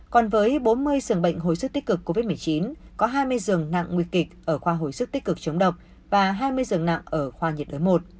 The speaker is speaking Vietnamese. còn với bốn mươi dường bệnh hồi sức tích cực covid một mươi chín có hai mươi giường nặng nguy kịch ở khoa hồi sức tích cực chống độc và hai mươi giường nặng ở khoa nhiệt đới một